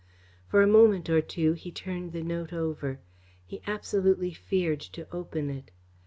For a moment or two he turned the note over. He absolutely feared to open it.